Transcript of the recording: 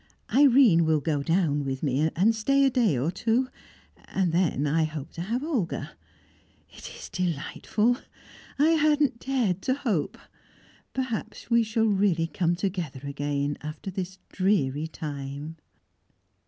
Irene will go down with me, and stay a day or two, and then I hope to have Olga. It is delightful! I hadn't dared to hope. Perhaps we shall really come together again, after this dreary time!"